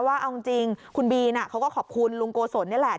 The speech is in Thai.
ว่าเอาจริงคุณบีนเขาก็ขอบคุณลุงโกศลนี่แหละ